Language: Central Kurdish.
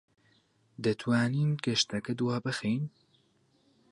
دەتوانین گەشتەکە دوابخەین؟